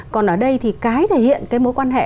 còn ở đây thì cái thể hiện cái mối quan hệ